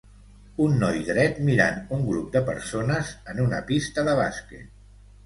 Un noi dret mirant un grup de persones en una pista de bàsquet.